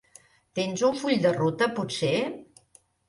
Tens un full de ruta, potser?